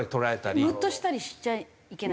ムッとしたりしちゃいけない？